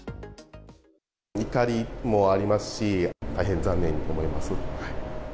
怒りもありますし、大変残念に思います。